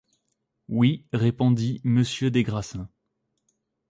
Oui, répondit monsieur des Grassins.